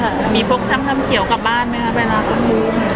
ตั้งความเขียวกลับบ้านไหมคะไปร้านการบู๊ม